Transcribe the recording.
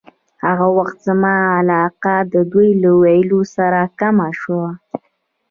هغه وخت زما علاقه د دوی له ویلو سره کمه شوه.